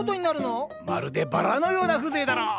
まるでバラのような風情だろう！